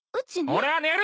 俺は寝る！